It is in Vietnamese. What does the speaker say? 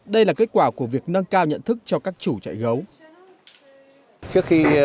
đây là kết quả của việc nâng cao nhận thức cho các chủ trại gấu